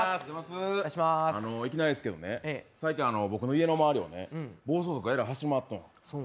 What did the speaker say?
いきなりですけど、最近、僕の家の周りをね、暴走族がえらい走り回ってるの。